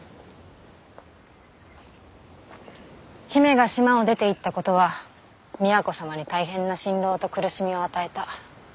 姫が島を出ていったことは都様に大変な心労と苦しみを与えた。